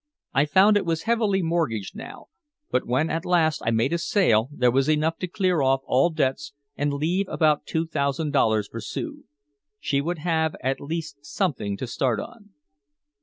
I found it was heavily mortgaged now, but when at last I made a sale there was enough to clear off all debts and leave about two thousand dollars for Sue. She would have at least something to start on.